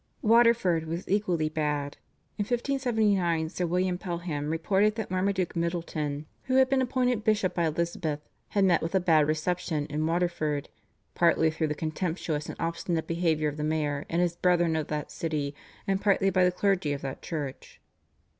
" Waterford was equally bad. In 1579 Sir William Pelham reported that Marmaduke Middleton, who had been appointed bishop by Elizabeth, had met with a bad reception in Waterford, "partly through the contemptuous and obstinate behaviour of the mayor and his brethren of that city, and partly by the clergy of that church."